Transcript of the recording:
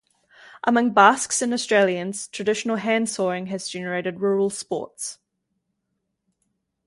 Among Basques and Australians, traditional hand sawing has generated rural sports.